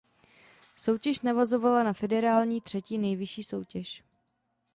Soutěž navazovala na federální třetí nejvyšší soutěž.